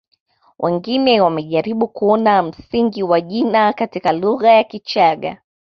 Wengine wamejaribu kuona msingi wa jina katika lugha ya Kichagga